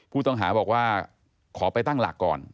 ผู้ต้องหาบอกว่าขอไปตั้งหลักก่อน